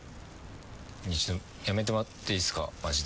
やめてもらっていいですかマジで。